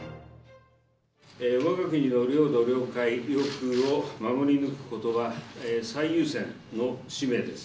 わが国の領土、領海、領空を守り抜くことは、最優先の使命です。